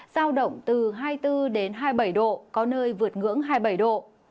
giao động từ hai mươi bốn đến hai mươi bảy độ có nơi vượt ngưỡng hai mươi bảy độ